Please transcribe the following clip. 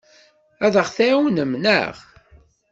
Ad aɣ-tɛawnem, naɣ?